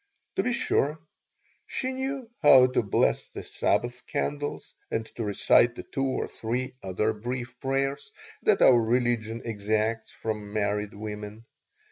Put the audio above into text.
To be sure, she knew how to bless the Sabbath candles and to recite the two or three other brief prayers that our religion exacts from married women.